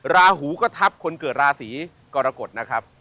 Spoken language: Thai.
ราหูก็ทับคนเกิดราศีกรกฎนะครับ